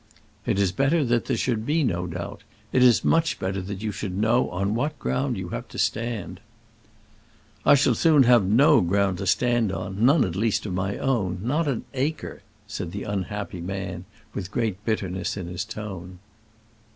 "It is better that there should be no doubt. It is much better that you should know on what ground you have to stand." "I shall soon have no ground to stand on, none at least of my own, not an acre," said the unhappy man, with great bitterness in his tone.